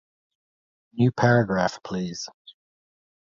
New paragraph, please.